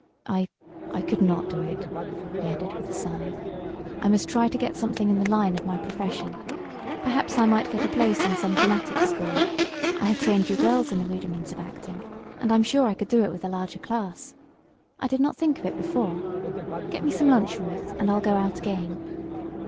"I I could not do it," he added with a sigh. "I must try to get something in the line of my profession. Perhaps I might get a place in some dramatic school. I have trained you girls in the rudiments of acting, and I'm sure I could do it with a larger class. I did not think of it before. Get me some lunch, Ruth, and I'll go out again."